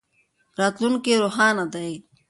راتلونکی روښانه دی.